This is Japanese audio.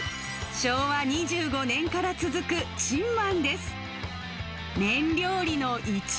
昭和２５年から続く珍満です。